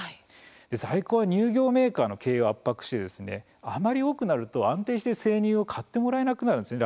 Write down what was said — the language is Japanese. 在庫は乳業メーカーの経営を圧迫し、あまり多くなると安定して生乳を買ってもらえなくなるんですね